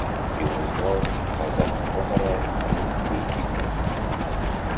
He was known as an overall, good goalkeeper.